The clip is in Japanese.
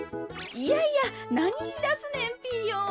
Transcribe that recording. いやいやなにいいだすねんピーヨン。